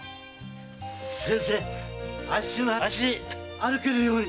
先生あっしの足歩けるように。